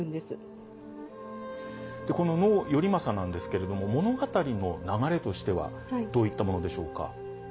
この能「頼政」なんですけれども物語の流れとしてはどういったものでしょうか？